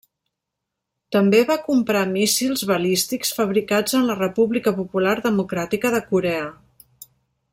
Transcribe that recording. També va comprar míssils balístics fabricats en la República Popular Democràtica de Corea.